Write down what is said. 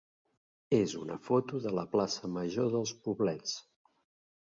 és una foto de la plaça major dels Poblets.